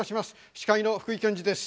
司会の福井謙二です。